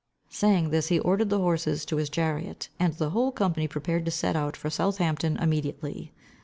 Saying this, he ordered the horses to his chariot, and the whole company prepared to set out for Southampton immediately.